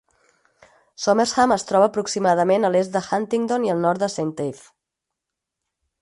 Somersham es troba aproximadament a l'est de Huntingdon i al nord de Saint Ives.